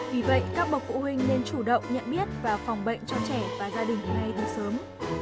vì vậy các bậc phụ huynh nên chủ động nhận biết và phòng bệnh cho trẻ và gia đình ngay từ sớm